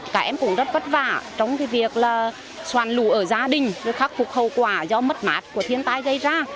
các em cũng rất vất vả trong việc xoan lù ở gia đình khắc phục hậu quả do mất mát của thiên tai gây ra